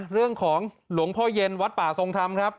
เรื่องของหลวงพ่อเย็นวัดป่าทรงธรรมครับ